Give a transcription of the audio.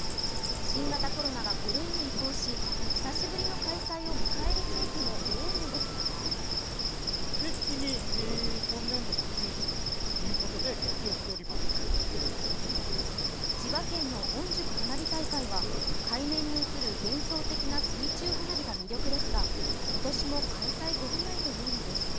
新型コロナが５類に移行し久しぶりの開催を迎える地域も多いですが千葉県のおんじゅく花火大会は海面に映る幻想的な水中花火が魅力ですが今年も開催できないというのです。